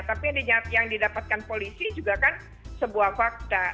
tapi yang didapatkan polisi juga kan sebuah fakta